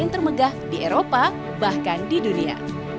yang terbentuk di dunia bahkan di eropa